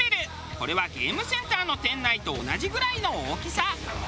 これはゲームセンターの店内と同じぐらいの大きさ。